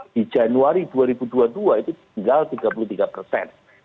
di januari dua ribu dua puluh dua itu tinggal tiga puluh tiga persen